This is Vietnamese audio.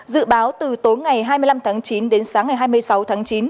dự báo từ tối ngày hai mươi năm tháng chín đến sáng ngày hai mươi sáu tháng chín